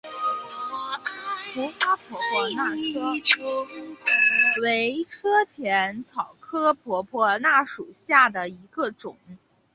头花婆婆纳为车前草科婆婆纳属下的一个种。